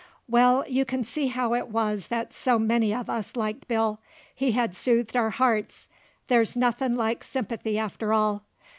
Well, you kin see how it wuz that so many uv us liked Bill; he had soothed our hearts, there's nothin' like sympathy after all.